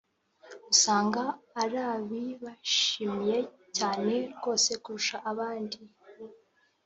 ugasanga arabibashimiye cyane rwose kurusha ahandi